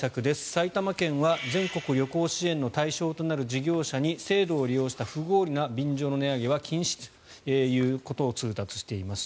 埼玉県は全国旅行支援の対象となる事業者に、制度を利用した不合理な便乗値上げは禁止ということを通達しています。